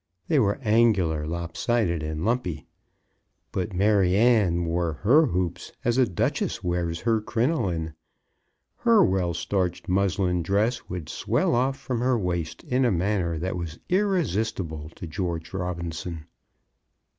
They were angular, lopsided, and lumpy. But Maryanne wore her hoops as a duchess wears her crinoline. Her well starched muslin dress would swell off from her waist in a manner that was irresistible to George Robinson.